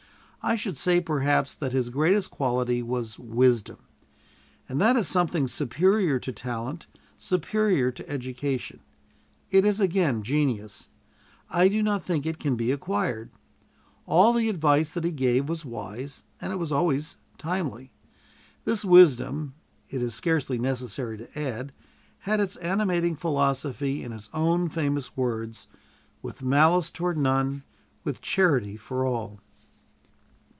I should say, perhaps, that his greatest quality was wisdom. And that is something superior to talent, superior to education. It is again genius; I do not think it can be acquired. All the advice that he gave was wise, and it was always timely. This wisdom, it is scarcely necessary to add, had its animating philosophy in his own famous words, "With malice toward none, with charity for all."